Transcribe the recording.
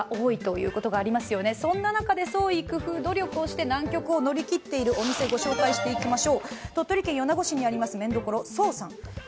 そんな中で創意工夫、努力をして難局を乗り切っているお店を紹介します。